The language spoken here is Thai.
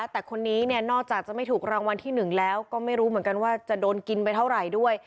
แต่คนนี้นอกจากจะไม่ถูกรางวัลที่๑แล้วก็ไม่รู้เหมือนกันว่าจะโดนกินไปเท่าไหร่ด้วย